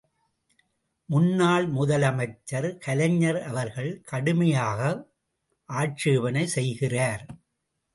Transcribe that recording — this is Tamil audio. முன்னாள் முதலமைச்சர் கலைஞர் அவர்கள் கடுமையாக ஆட்சேபணை செய்கிறார்!